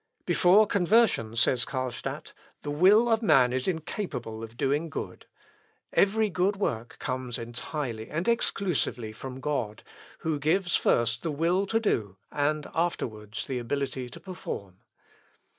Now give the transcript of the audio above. "Before conversion," said Carlstadt, "the will of man is incapable of doing good; every good work comes entirely and exclusively from God, who gives first the will to do, and afterwards the ability to perform."